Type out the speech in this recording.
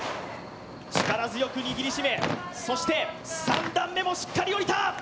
力強く握りしめ、そして３段目もしっかりおりた。